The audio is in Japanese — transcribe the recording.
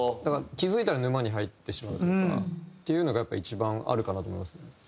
気付いたら沼に入ってしまうというかっていうのがやっぱ一番あるかなと思いますね。